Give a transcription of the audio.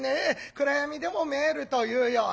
暗闇でも見えるというようなね。